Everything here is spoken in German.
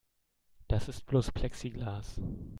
Das ist bloß Plexiglas.